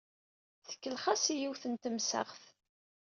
Tkellex-as i yiwet n temsaɣt.